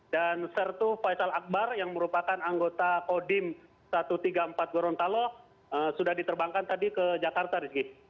dan sertu faisal akbar yang merupakan anggota kodim satu ratus tiga puluh empat gorontalo sudah diterbangkan tadi ke jakarta rizky